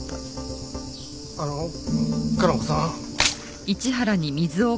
あの佳菜子さん。